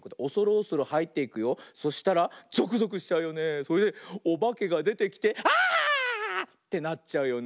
それでおばけがでてきて「あ！」ってなっちゃうよね。